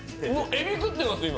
えび食ってます、今！